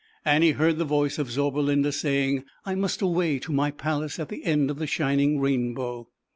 Annie heard the voice of Zauberlinda saying, "I must away to my palace at the end of the shining rainbow."